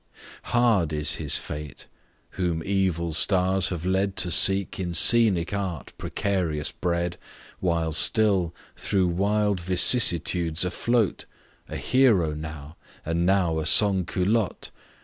Hard is his fate, whom evil stars have led To seek in scenic art precarious bread, While still, through wild vicissitudes afloat, A hero now, and now a Sans Culotte!